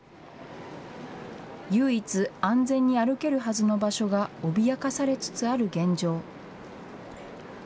唯一、安全に歩けるはずの場所が、脅かされつつある現状。